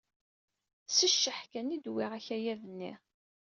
S cceḥ kan i d-wwiɣ akayad-nni.